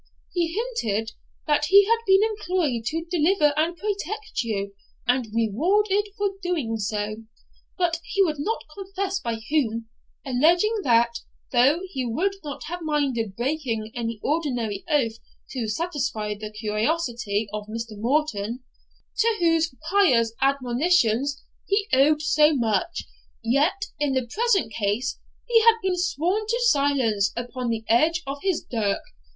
He hinted that he had been employed to deliver and protect you, and rewarded for doing so; but he would not confess by whom, alleging that, though he would not have minded breaking any ordinary oath to satisfy the curiosity of Mr. Morton, to whose pious admonitions he owed so much, yet, in the present case he had been sworn to silence upon the edge of his dirk, [Footnote: See Note 14.